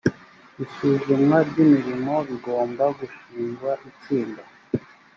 isuzumwa ry; imirimo bigomba gushingwa itsinda